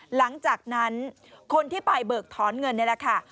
หลังจากนั้นคนที่ไปเบิกถอนเงินนี่แหละค่ะ